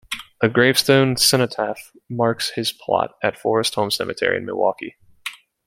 A gravestone cenotaph marks his plot at Forest Home Cemetery in Milwaukee.